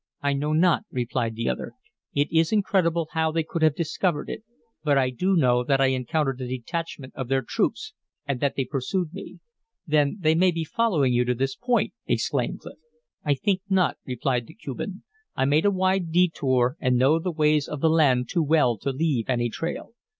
"I know not," replied the other. "It is incredible how they could have discovered it, but I do know that I encountered a detachment of their troops and that they pursued me." "Then they may be following you to this point," exclaimed Clif. "I think not," replied the Cuban. "I made a wide detour and know the ways of the land too well to leave any trail."